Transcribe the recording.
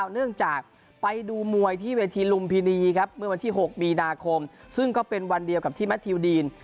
เนื่องจากไปดูมวยที่เวทีลุมพินีครับเมื่อวันที่๖มีนาคมซึ่งก็เป็นวันเดียวกับที่แมททิวดีน